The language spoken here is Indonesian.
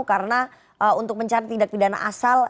karena untuk mencari tindak pidana asal